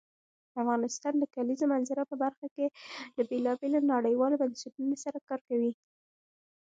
افغانستان د کلیزو منظره په برخه کې له بېلابېلو نړیوالو بنسټونو سره کار کوي.